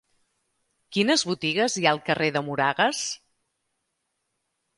Quines botigues hi ha al carrer de Moragas?